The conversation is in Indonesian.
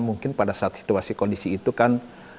mungkin pada saat situasi kondisi itu kan